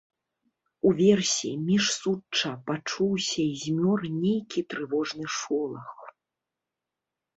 Уверсе, між сучча, пачуўся і змёр нейкі трывожны шолах.